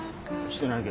してない？